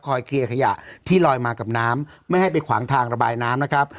เคลียร์ขยะที่ลอยมากับน้ำไม่ให้ไปขวางทางระบายน้ำนะครับ